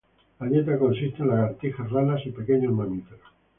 La dieta consiste de lagartijas, ranas y pequeños mamíferos.